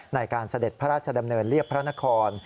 เสด็จพระราชดำเนินเรียบพระนคร